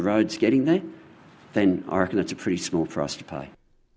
maka saya pikir itu harga yang cukup kecil untuk kita bayar